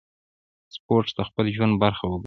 سپورت د خپل ژوند برخه وګرځوئ.